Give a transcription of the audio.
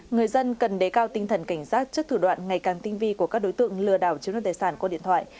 người dân cần đề cao tinh thần cảnh giác trước thủ đoạn ngày càng tinh vi của các đối tượng lừa đảo chiếm đoàn tài sản qua điện thoại